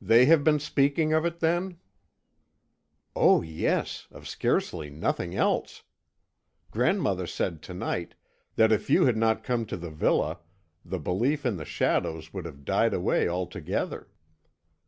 "They have been speaking of it, then?" "Oh, yes; of scarcely anything else. Grandmother said to night that if you had not come to the villa, the belief in the shadows would have died away altogether."